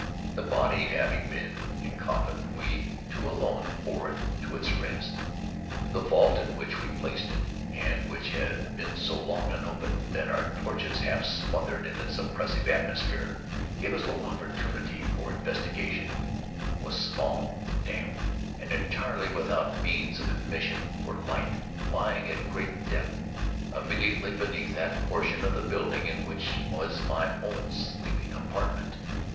The body having been encoffined, we two alone bore it to its rest. The vault in which we placed it (and which had been so long unopened that our torches, half smothered in its oppressive atmosphere, gave us little opportunity for investigation) was small, damp, and entirely without means of admission for light; lying, at great depth, immediately beneath that portion of the building in which was my own sleeping apartment.